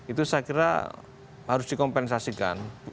itu saya kira harus dikompensasikan